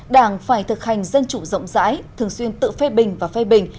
đảng phải thực hành dân chủ rộng rãi thường xuyên tự phê bình và phê bình